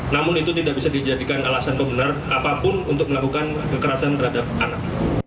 namun itu tidak bisa dijadikan alasan pembenar apapun untuk melakukan kekerasan terhadap anak